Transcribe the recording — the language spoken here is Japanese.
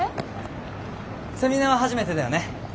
セミナーは初めてだよね？